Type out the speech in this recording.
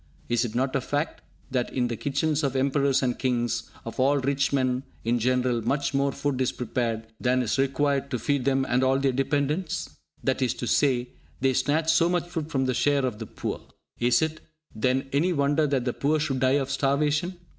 Is it not a fact, that, in the kitchens of emperors and kings, of all rich men, in general, much more food is prepared than is required to feed them and all their dependents? That is to say, they snatch so much food from the share of the poor. Is it, then, any wonder that the poor should die of starvation?